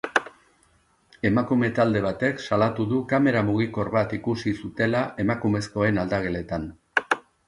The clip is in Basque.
Emakume talde batek salatu du kamera mugikor bat ikusi zutela emakumezkoen aldageletan.